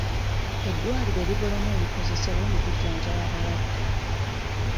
Eddwaliro libulamu ebikozesebwa mu kujjanjaba abalwadde.